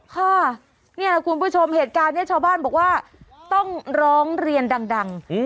ค่ะเนี่ยคุณผู้ชมเหตุการณ์นี้ชาวบ้านบอกว่าต้องร้องเรียนดัง